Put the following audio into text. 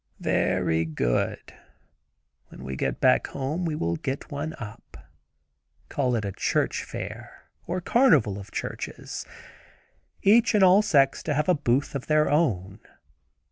"Very good; when we go back home we will get one up; call it a church fair, or carnival of churches. Each and all sects to have a booth of their own.